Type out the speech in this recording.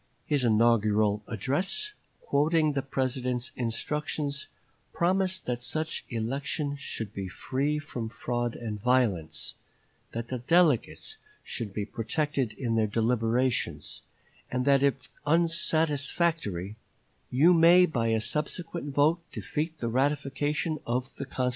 His inaugural address, quoting the President's instructions, promised that such election should be free from fraud and violence; that the delegates should be protected in their deliberations; and that if unsatisfactory, "you may by a subsequent vote defeat the ratification of the constitution."